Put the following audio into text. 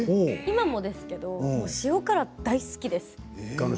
今もですけれど塩辛が大好きです。